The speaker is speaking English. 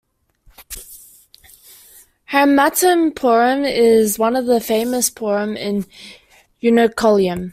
Harimattom pooram is the one of the famous pooram in Ernakulam.